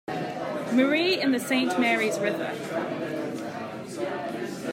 Marie in the Saint Marys River.